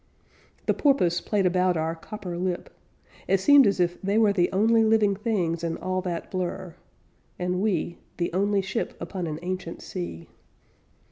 The porpoise played about our copper lip. It seemed as if they were The only living things in all that blur, And we The only ship upon an ancient sea.